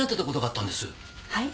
はい？